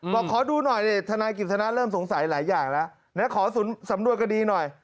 ขอดูหน่อยดิทนายกิจสนาเริ่มสงสัยหลายอย่างแล้วนะขอสำนวนคดีหน่อย